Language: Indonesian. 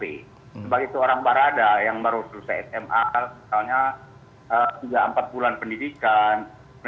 sebagai seorang barada yang baru selesai sma misalnya tiga empat bulan pendidikan